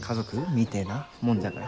みてえなもんじゃから。